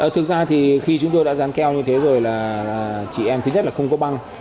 thực ra thì khi chúng tôi đã dán keo như thế rồi là chị em thứ nhất là không có băng